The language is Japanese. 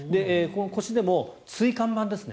腰でも、椎間板ですね。